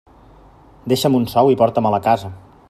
Deixa'm un sou i porta-me'l a casa.